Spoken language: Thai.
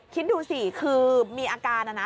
คิดดูสิคือมีอาการนะนะ